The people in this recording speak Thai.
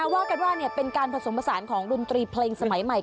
ว่ากันว่าเป็นการผสมผสานของดนตรีเพลงสมัยใหม่